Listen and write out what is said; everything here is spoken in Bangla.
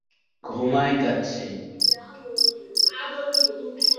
ঘুমায় গাছে।